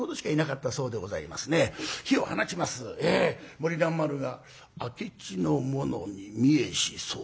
森蘭丸が「明智の者に見えし候」。